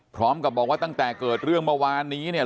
พร้อมกับบอกว่าตั้งแต่เกิดเรื่องเมื่อวานนี้เนี่ย